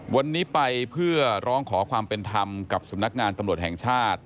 วันนี้ไปเพื่อร้องขอความเป็นธรรมกับสำนักงานตำรวจแห่งชาติ